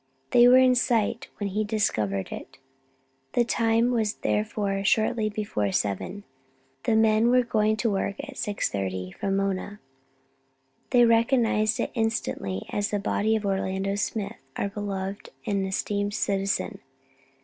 They were in sight when he discovered it; the time was therefore shortly before seven. The men were going to work at 6.30 from Mona. They recognized it instantly as the body of Orlando Smith, our beloved and esteemed citizen.